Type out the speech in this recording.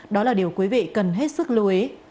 đó là điều quý vị cần hết sức lưu ý